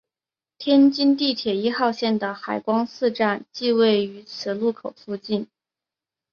天津地铁一号线的海光寺站即位于此路口附近。